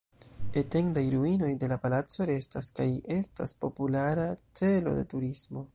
Etendaj ruinoj de la palaco restas, kaj estas populara celo de turismo.